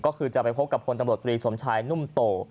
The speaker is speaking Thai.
ก็คือจะไปพบกับพลตำรวจตรีสมชายนุ่มโต